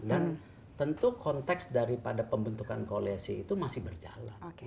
dan tentu konteks daripada pembentukan koalisi itu masih berjalan